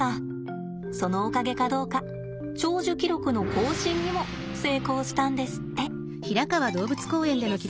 そのおかげかどうか長寿記録の更新にも成功したんですって。